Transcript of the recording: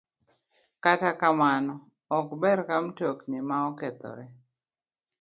Kata kamano ok ber ka mtokni ma okethore